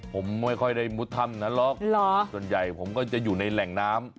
ผมไม่ค่อยได้มุดถ้ำนั้นหรอกส่วนใหญ่ผมก็จะอยู่ในแหล่งน้ำ